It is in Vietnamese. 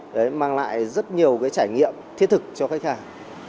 đấy mang lại rất nhiều cái trải nghiệm thiết thực cho khách hàng